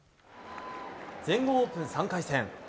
全豪オープン３回戦。